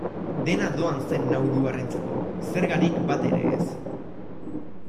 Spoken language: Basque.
Dena doan zen nauruarrentzako, zergarik batere ez.